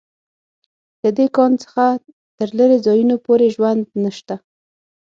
له دې کان څخه تر لېرې ځایونو پورې ژوند نشته